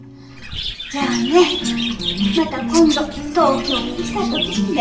じゃあねまた今度東京に来た時にでもね。